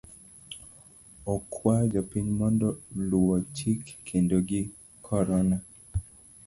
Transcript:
Okuayo jopiny omed luo chike kedo gi korona.